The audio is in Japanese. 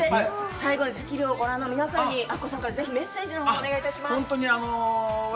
そして最後に『スッキリ』をご覧の皆さんにアッコさんからメッセージ、お願いします。